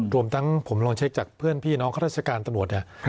รวมทั้งผมลองเช็คจากเพื่อนพี่น้องข้าราชการตำรวจเนี่ย